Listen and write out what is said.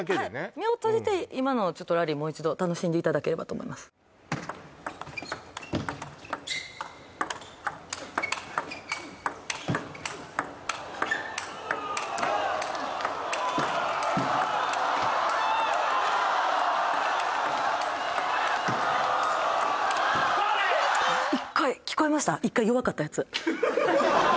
目を閉じて今のをちょっとラリーもう一度楽しんでいただければと思いますチョレイ！